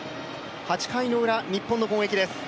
８回ウラ、日本の攻撃です。